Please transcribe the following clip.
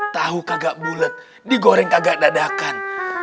tahu kagak bulet digoreng agak dadakan